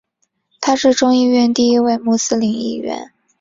他是众议院第一位穆斯林议员。